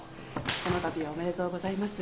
このたびはおめでとうございます。